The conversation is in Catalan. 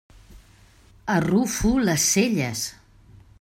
Arrufo les celles.